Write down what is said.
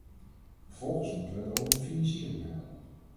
Vervolgens moeten we het over de financiering hebben.